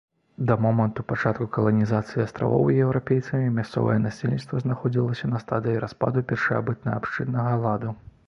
Да моманту пачатку каланізацыі астравоў еўрапейцамі мясцовае насельніцтва знаходзілася на стадыі распаду першабытнаабшчыннага ладу.